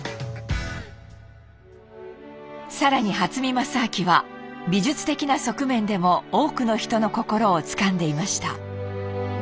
更に初見良昭は美術的な側面でも多くの人の心をつかんでいました。